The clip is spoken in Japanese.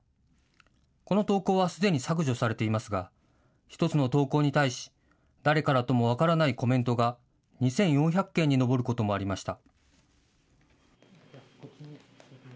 この投稿はすでに削除されていますが１つの投稿に対し、誰からとも分からないコメントが２４００件に上ることもありました。